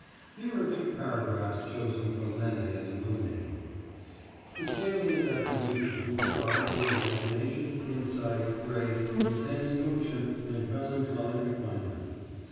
Here are two paragraphs chosen from many as illuminating: "The salient attributes of Booth's art were imagination, insight, grace, intense emotion, and melancholy refinement.